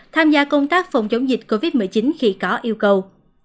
tham gia công tác phòng chống dịch covid một mươi chín khi có yêu cầu